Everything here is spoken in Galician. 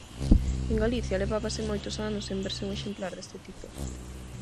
En Galicia levábase moitos anos sen verse un exemplar deste tipo.